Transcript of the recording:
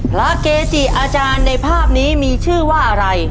เกจิอาจารย์ในภาพนี้มีชื่อว่าอะไร